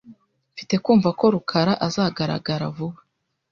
Mfite kumva ko rukara azagaragara vuba .